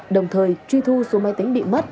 đồng thời truy thu số máy tính bị mất